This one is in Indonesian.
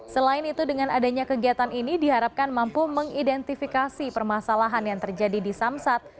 selain itu dengan adanya kegiatan ini diharapkan mampu mengidentifikasi permasalahan yang terjadi di samsat